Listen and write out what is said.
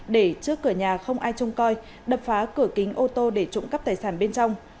để trước cửa nhà không ai trông coi đập phá cửa kính ô tô để trộm cắp tài sản bên trong